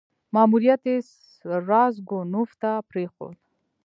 ماموریت یې راسګونوف ته پرېښود.